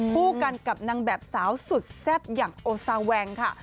คู่กันกับนางแบบสาวสุดแซ่บอย่างโอซาแวงค่ะ